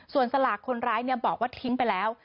ส่วนสลากคนร้ายบอกว่าทิ้งไปแล้ว